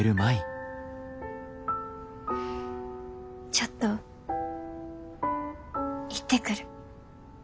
ちょっと行ってくる。